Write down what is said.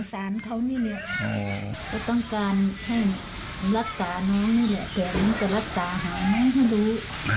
สนสานเขานี่เนี่ยต้องการให้รักษาน้องนี่เนี่ยเพลงจะรักษาหาให้ให้รู้